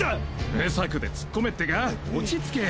無策で突っ込めってか落ち着け！